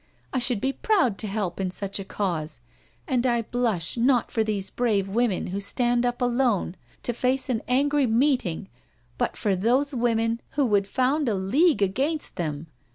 I should be proud to help in sucU a cause^^ and I blush not for these brave women who stand up alone to face an angry meeting, but for those women who would found a league against them.